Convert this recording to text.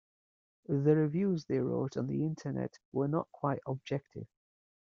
The reviews they wrote on the Internet were not quite objective.